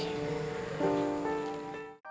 sampai jumpa lagi